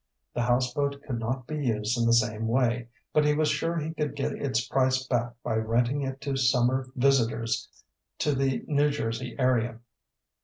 The houseboat could not be used in the same way, but he was sure he could get its price back by renting it to summer visitors to the New Jersey area.